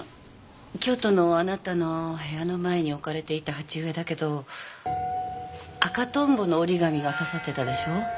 京都のあなたの部屋の前に置かれていた鉢植えだけど赤トンボの折り紙が挿さってたでしょ？